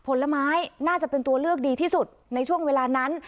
ผลไม้น่าจะเป็นตัวเลือกดีที่สุดในช่วงเวลานั้น